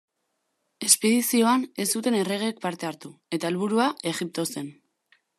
Espedizioan ez zuten erregeek parte hartu eta helburua Egipto zen.